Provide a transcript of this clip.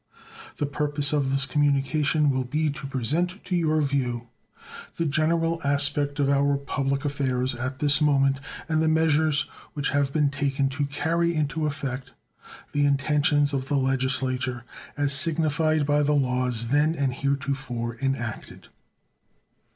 The purpose of this communication will be to present to your view the general aspect of our public affairs at this moment and the measures which have been taken to carry into effect the intentions of the Legislature as signified by the laws then and heretofore enacted.